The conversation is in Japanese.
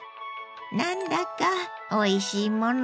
何だかおいしいもの